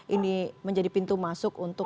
ini menjadi pintu masuk untuk